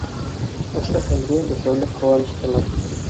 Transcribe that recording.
Ошо чәлгә дүртәүләп ҡыуаныштылар